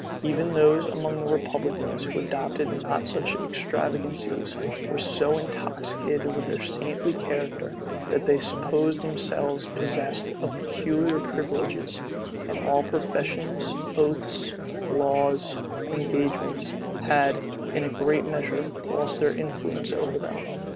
Even those among the republicans who adopted not such extravagancies, were so intoxicated with their saintly character, that they supposed themselves possessed of peculiar privileges; and all professions, oaths, laws, and engagements, had, in a great measure, lost their influence over them.